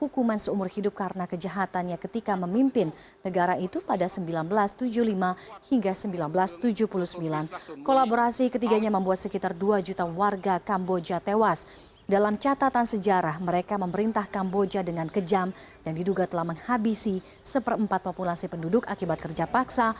kedua terdakwa merupakan mantan petinggi kemer merah yang masih hidup